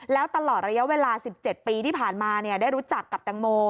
แล้วตลอดระยะเวลาสิบเจ็ดปีที่ผ่านมาเนี่ยได้รู้จักกับตังโม